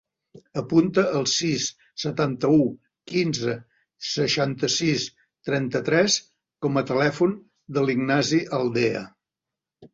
Apunta el sis, setanta-u, quinze, seixanta-sis, trenta-tres com a telèfon de l'Ignasi Aldea.